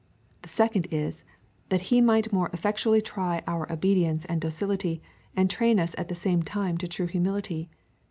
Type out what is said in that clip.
The second is, that he might more effectually try our obedience and docility, and train us at the same time to true humility.